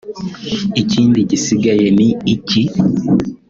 ikindi gisigaye ni iki